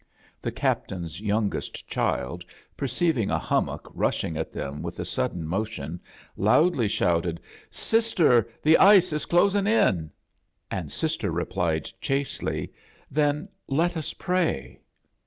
The Captain's youngest child, perceiving a hummock rushing at them with a sudden motion, loudly shouted, "Sister, the ice is closii^ inl" and Sister replied, chastely, "Then let us pray."